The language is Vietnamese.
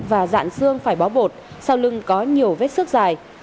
và dạn xương phải bó bột sau lưng có nhiều vết xước dài